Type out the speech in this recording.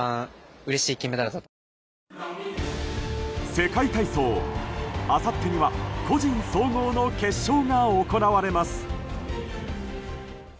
世界体操、あさってには個人総合の決勝が行われます。